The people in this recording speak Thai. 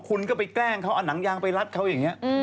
คุณก็ไปแกล้งเขาเอาหนังยางไปรัดเขาอย่างนี้